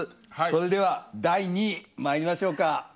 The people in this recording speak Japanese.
それでは第２位まいりましょうか。